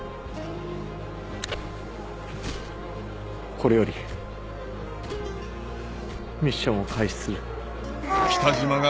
これよりミッションを開始する。